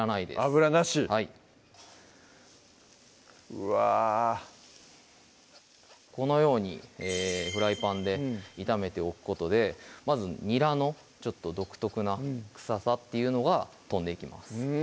油なしはいうわこのようにフライパンで炒めておくことでまずにらの独特な臭さっていうのが飛んでいきます